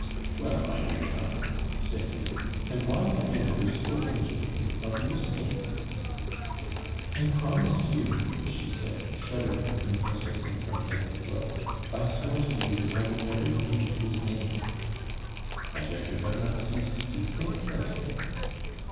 "Well, my dear child," said he, "and why have you never spoken to me of Lucien?" "I promised you," she said, shuddering convulsively from head to foot; "I swore to you that I would never breathe his name." "And yet you have not ceased to think of him."